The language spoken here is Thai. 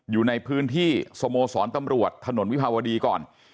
อยู่ในพื้นที่สโมสรตำรวจถนนวิภาวดีก่อน